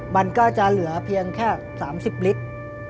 มันก็จะเหลือเพียงแค่๓๐ลิตร